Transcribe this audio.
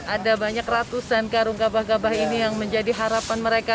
ada banyak ratusan karung gabah gabah ini yang menjadi harapan mereka